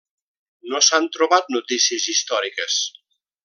No s'han trobat notícies històriques.